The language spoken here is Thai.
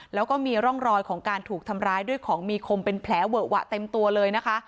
แล้วก็มีร่องรอยของการถูกทำร้ายด้วยของมีคมเป็นแผลเวอะหวะเต็มตัวเลยนะคะ